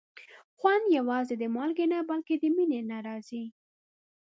خوند یوازې د مالګې نه، بلکې د مینې نه راځي.